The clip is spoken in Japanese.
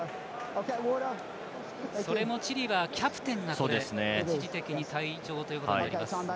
それもチリはキャプテンなので一時的に退場となります。